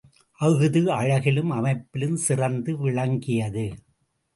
அஃது அழகிலும் அமைப்பிலும் சிறந்து விளங்கியது.